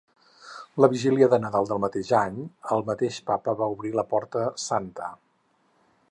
La vigília de Nadal del mateix any, el mateix Papa va obrir la Porta Santa.